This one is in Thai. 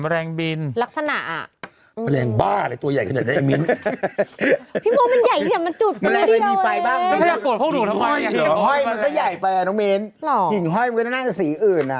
ใช่ไม่จับวิ่งอย่างวิ่งเห็นไหมวิ่งนี้